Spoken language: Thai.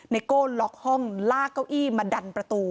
โก้ล็อกห้องลากเก้าอี้มาดันประตู